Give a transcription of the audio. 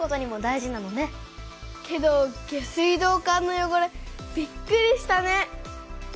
けど下水道管のよごれびっくりしたね。